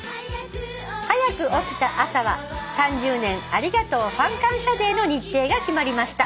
『はやく起きた朝は３０年ありがとうファン感謝デー』の日程が決まりました。